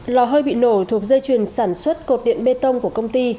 lò hơi bị nổ thuộc dây chuyền sản xuất cột điện bê tông của công ty